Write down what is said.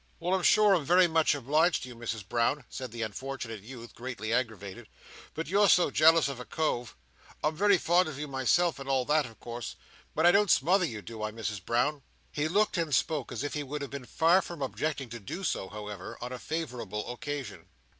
"Well, I'm sure I'm very much obliged to you, Misses Brown," said the unfortunate youth, greatly aggravated; "but you're so jealous of a cove. I'm very fond of you myself, and all that, of course; but I don't smother you, do I, Misses Brown?" He looked and spoke as if he would have been far from objecting to do so, however, on a favourable occasion.